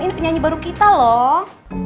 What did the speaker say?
ini penyanyi baru kita loh